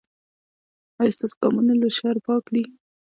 ایا ستاسو ګامونه له شر پاک دي؟